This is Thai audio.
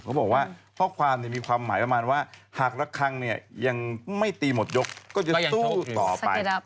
เขาบอกว่าข้อความมีความหมายประมาณว่าหากละครั้งเนี่ยยังไม่ตีหมดยกก็จะสู้ต่อไป